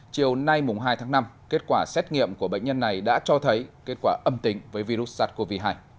chiều nay hai tháng năm kết quả xét nghiệm của bệnh nhân này đã cho thấy kết quả âm tính với virus sars cov hai